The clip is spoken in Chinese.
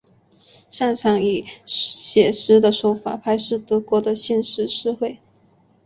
擅长以写实的手法拍摄德国的现实社会。